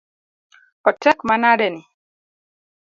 Otek manade ni